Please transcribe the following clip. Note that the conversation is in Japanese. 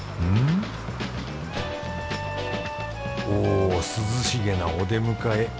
お涼しげなお出迎え。